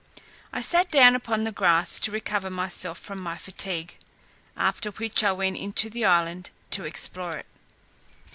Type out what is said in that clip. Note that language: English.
I sat down upon the grass, to recover myself from my fatigue, after which I went into the island to explore it.